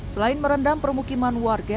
selain merendam permukiman warga